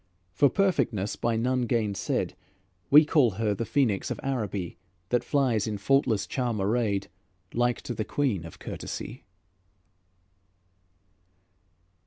For perfectness by none gainsaid, We call her the Phoenix of Araby, That flies in faultless charm arrayed, Like to the Queen of courtesy."